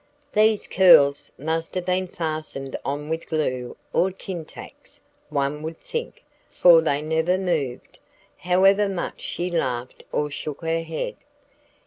These curls must have been fastened on with glue or tin tacks, one would think, for they never moved, however much she laughed or shook her head.